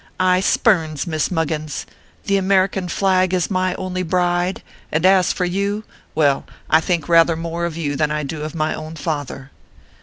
I spurns Miss Muggins. The Amer ican flag is my only bride, and as for you ! well, I think rather more of you than I do of my own father."